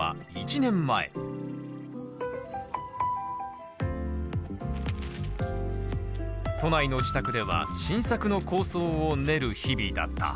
都内の自宅では新作の構想を練る日々だった。